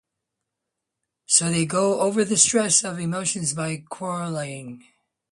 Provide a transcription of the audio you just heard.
So they got over the stress of emotion by quarrelling.